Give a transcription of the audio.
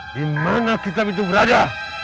dimana kitab itu berada